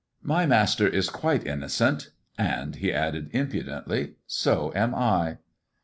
My master is quite innocent, and," he added impudently, "so am I."